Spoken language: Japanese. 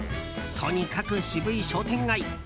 とにかく渋い商店街